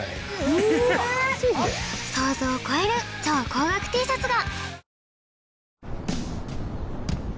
想像を超える超高額Ｔシャツが！